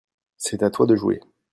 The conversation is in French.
c'est à toi de jouer.